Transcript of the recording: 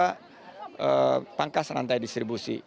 kita pangkas rantai distribusi